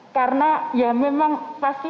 karena ya memang pasti